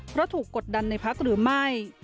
เพราะถูกกดดันในพักหรือไม่